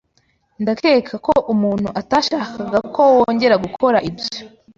Ndakeka ko umuntu atashakaga ko wongera gukora ibyo.